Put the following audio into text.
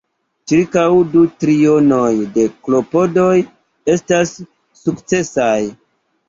Ĉirkaŭ du trionoj de klopodoj estas sukcesaj.